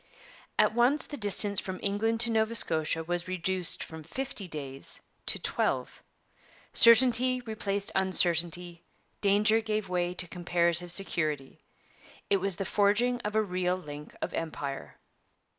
At once the distance from England to Nova Scotia was reduced from fifty days to twelve. Certainty replaced uncertainty; danger gave way to comparative security. It was the forging of a real link of Empire.